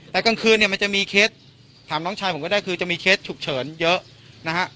แต่กลางคืนเนี่ยมันจะมีเคสถามน้องชายผมก็ได้คือจะมีเคสฉุกเฉินเยอะนะฮะ